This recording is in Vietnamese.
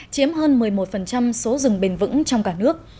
chiếm hơn một mươi một số rừng bền vững trong cả nước